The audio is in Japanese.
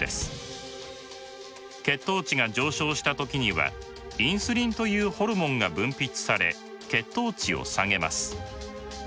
血糖値が上昇した時にはインスリンというホルモンが分泌され血糖値を下げます。